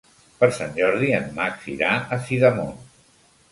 Per Sant Jordi en Max irà a Sidamon.